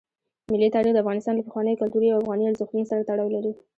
ملي تاریخ د افغانستان له پخوانیو کلتوري او افغاني ارزښتونو سره تړاو لري.